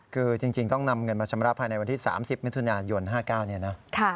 คือจริงต้องนำเงินมาชำระภายในวันที่๓๐มิถุนายน๕๙เนี่ยนะ